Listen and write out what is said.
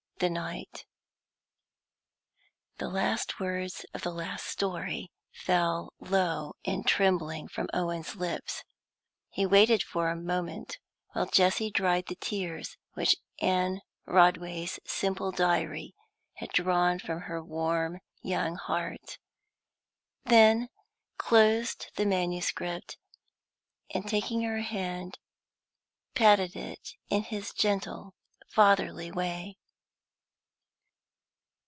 THE NIGHT. THE last words of the last story fell low and trembling from Owen's lips. He waited for a moment while Jessie dried the tears which Anne Rodway's simple diary had drawn from her warm young heart, then closed the manuscript, and taking her hand patted it in his gentle, fatherly way.